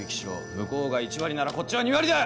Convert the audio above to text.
向こうが１割ならこっちは２割だ！